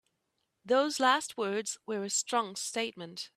Those last words were a strong statement.